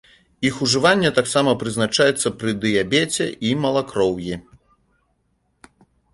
Іх ужыванне таксама прызначаецца пры дыябеце і малакроўі.